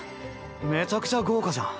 めちゃくちゃ豪華じゃん。